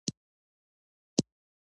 ډالرو ته اړتیا ده